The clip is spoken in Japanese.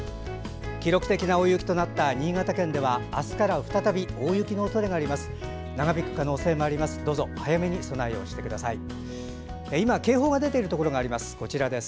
記録的な大雪となった新潟県では明日から再び大雪のおそれがあります。